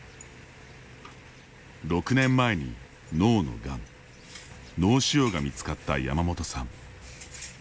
６年前に脳のがん脳腫瘍が見つかったヤマモトさん。